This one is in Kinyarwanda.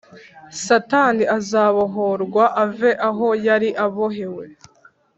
Satani azabohorwa ave aho yari abohewe.